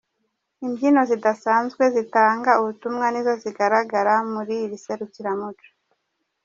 Imbyino zidasanzwe zitanga ubutumwa nizo zizagaragara muri iri serukiramuco.